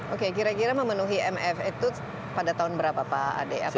oke kira kira memenuhi mf itu pada tahun berapa pak ade